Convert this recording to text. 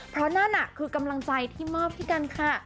เพราะนั่นคือกำลังใจที่มอบให้กันค่ะ